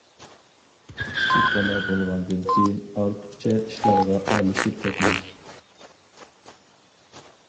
كىچىك بالا بولغاندىن كېيىن ئارتۇقچە ئىشلارغا ئارىلىشىپ كەتمەڭ.